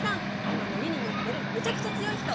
今ノリにノッてるめちゃくちゃ強い人。